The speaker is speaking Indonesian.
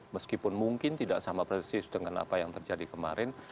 meskipun mungkin tidak sama persis dengan apa yang terjadi kemarin